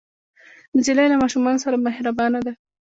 نجلۍ له ماشومانو سره مهربانه ده.